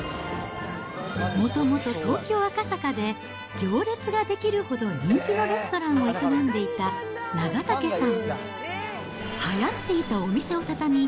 もともと東京・赤坂で行列が出来るほど人気のレストランを営んでいた長竹さん。